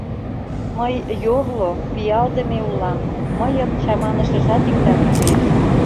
— Мый йорло, пиалдыме улам, мыйым чаманышыжат иктат уке.